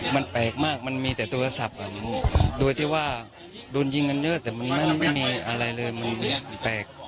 มันแปลกมากมันมีแต่โทรศัพท์แบบนี้โดยที่ว่าโดนยิงกันเยอะแต่มันไม่มีอะไรเลยมันแปลก